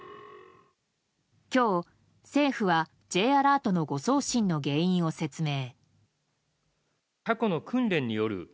今日、政府はＪアラートの誤送信の原因を説明。